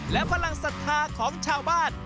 และพลังศรัทธาของชาวบ้าน